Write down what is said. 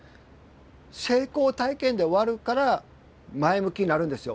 成功体験で終わるから前向きになるんですよ。